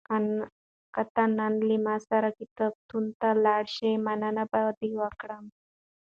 که ته نن له ما سره کتابتون ته لاړ شې، مننه به دې وکړم.